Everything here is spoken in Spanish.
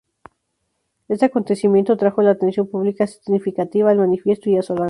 Este acontecimiento trajo la atención pública significativa al Manifiesto y a Solanas.